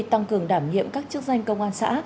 tăng cường đảm nhiệm các chức danh công an xã